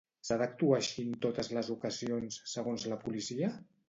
S'ha d'actuar així en totes les ocasions, segons la policia?